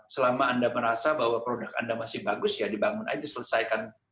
selama anda merasa bahwa produk anda masih bagus ya dibangun aja selesaikan